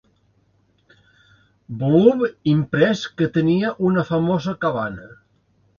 Volum imprès que tenia una famosa cabana.